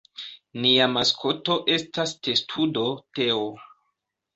Nia maskoto estas testudo Teo.